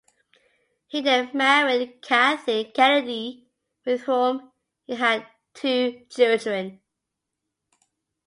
He then married Kathleen Kennedy, with whom he had two children.